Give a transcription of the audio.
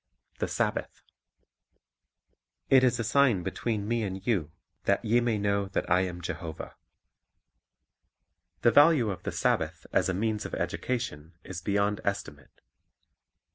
The Sabbath T 'it is a sign between he and you; that v e man' know that 1 am jehovah " 'HE value of the Sabbath as a means of education is beyond estimate.